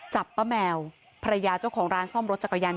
จับป้าแมวภรรยาเจ้าของร้านซ่อมรถจักรยาน